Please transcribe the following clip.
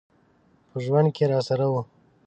په ژوند کي راسره و .